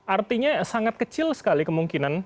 artinya sangat kecil sekali kemungkinan